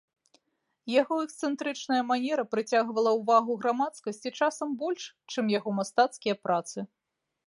Яго эксцэнтрычная манера прыцягвала ўвагу грамадскасці часам больш, чым яго мастацкія працы.